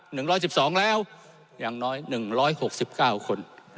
หนึ่งร้อยสิบสองแล้วอย่างน้อยหนึ่งร้อยหกสิบเก้าคน